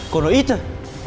còn nó ít thôi